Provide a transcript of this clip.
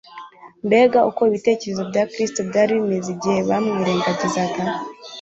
Mbega uko ibitekerezo bya Kristo byari bimeze igihe bamwirengagizaga